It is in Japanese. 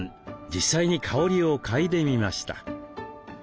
実際に香りを嗅いでみました。